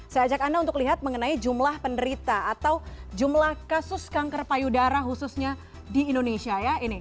saya ajak anda untuk lihat mengenai jumlah penderita atau jumlah kasus kanker payudara khususnya di indonesia ya